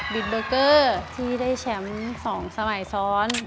เบอร์เกอร์ที่ได้แชมป์๒สมัยซ้อน